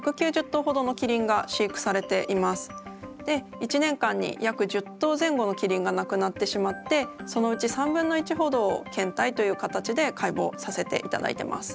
１年間に約１０頭前後のキリンが亡くなってしまってそのうち３分の１ほどを献体という形で解剖させていただいてます。